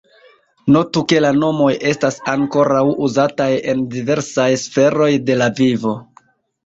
Notu ke la nomoj estas ankoraŭ uzataj en diversaj sferoj de la vivo.